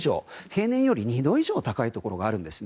平年より２度以上高いところがあるんです。